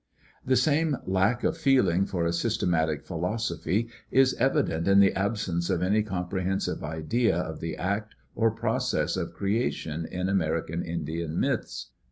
The same lack of feeling for a systematic philosophy is evident in the absence of any comprehensive idea of the act or process of creation in American Indian myths.